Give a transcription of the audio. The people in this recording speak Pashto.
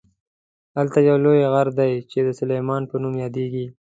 هلته یو لوی غر دی چې د سلیمان په نوم یادیږي.